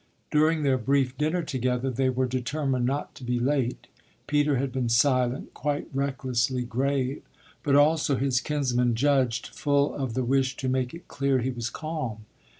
During their brief dinner together they were determined not to be late Peter had been silent, quite recklessly grave, but also, his kinsman judged, full of the wish to make it clear he was calm.